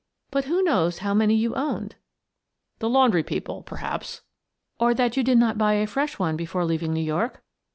But who knows how many you owned? "" The laundry people, perhaps." " Or that you did not buy a fresh one before leaving New York?